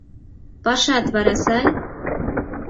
— Пашат вара сай?